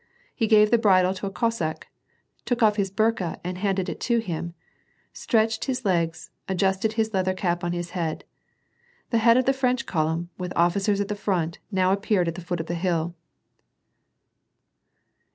He gave the bridle to a Cossack, took off his burka and handed it to him, stretched his legs, adjusted his leather cap on his head. The head of the French column, with officers at the front, now appeared at the foot of the hill.